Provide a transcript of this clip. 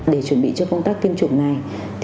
để chuẩn bị cho công tác tiêm chủng này